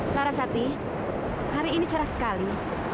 narasati hari ini cerah sekali